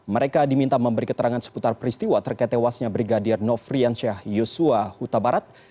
mereka diminta memberi keterangan seputar peristiwa terkait tewasnya brigadir nofriansyah yosua huta barat